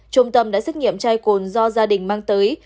trung tâm đã xét nghiệm chai cồn do gia đình mang tới